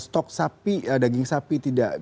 stok daging sapi tidak